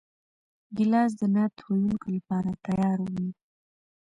ګیلاس د نعت ویونکو لپاره تیار وي.